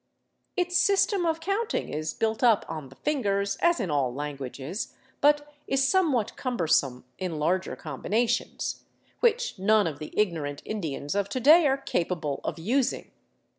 Its system of counting is built up on the fingers, as in all languages, but is some what cumbersome in larger combinations — which none of the ignorant Indians of to day are capable of using.